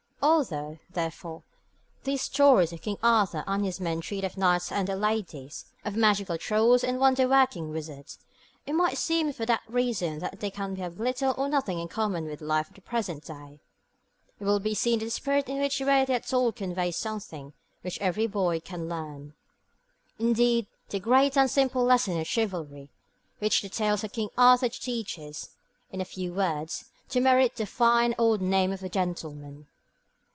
Although, therefore, these stories of King Arthur and his men treat of knights and their ladies, of magical trolls and wonder working wizards, and it might seem for that reason that they can have little or nothing in common with life of the present day, it will be seen that the spirit in which they are told conveys something which every boy can learn. Indeed, the great and simple lesson of chivalry which the tales of King Arthur teach is, in a few words, to merit 'the fine old name of gentleman.'